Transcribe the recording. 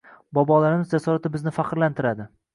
Bobolarimiz jasorati bizni faxrlantiradi